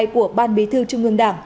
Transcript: của ban bí thư trung ương đảng